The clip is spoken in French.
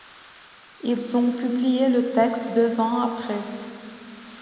Ils ont publié le texte deux ans après.